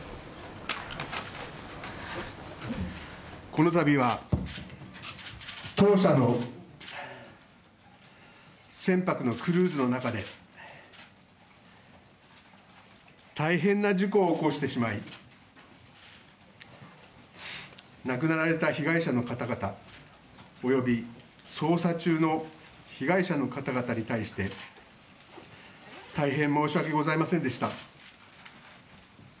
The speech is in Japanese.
この度は、当社の船舶のクルーズの中で大変な事故を起こしてしまい亡くなられた被害者の方々及び捜索中の被害者の方々に対して大変申し訳ございませんでした。